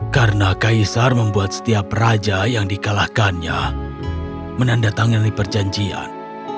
karena kaisar membuat setiap raja yang dikalahkannya menandatangani perjanjian